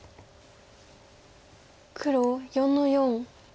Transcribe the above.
黒４の四。